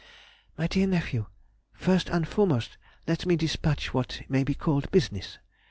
MY DEAR NEPHEW,— First and foremost let me dispatch what may be called business.